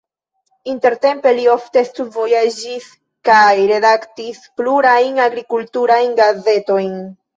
Intertempe li ofte studvojaĝis kaj redaktis plurajn agrikulturajn gazetojn.